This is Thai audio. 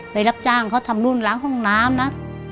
รับจ้างเขาทำนู่นล้างห้องน้ำนะ